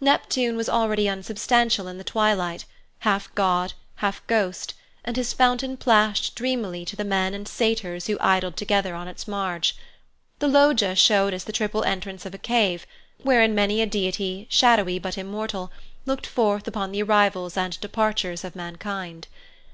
Neptune was already unsubstantial in the twilight, half god, half ghost, and his fountain plashed dreamily to the men and satyrs who idled together on its marge. The Loggia showed as the triple entrance of a cave, wherein many a deity, shadowy, but immortal, looking forth upon the arrivals and departures of mankind.